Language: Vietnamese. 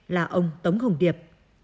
là ông tống hồng điệp